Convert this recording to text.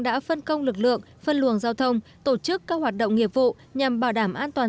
đã phân công lực lượng phân luồng giao thông tổ chức các hoạt động nghiệp vụ nhằm bảo đảm an toàn